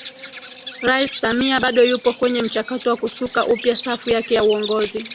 Rais Samia bado yupo kwenye mchakato wa kusuka upya safu yake ya uongozi